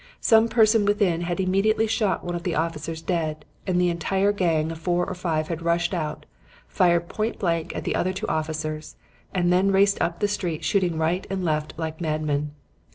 Some person within had immediately shot one of the officers dead and the entire gang of four or five had rushed out, fired point blank at the other two officers, and then raced up the street shooting right and left like madmen.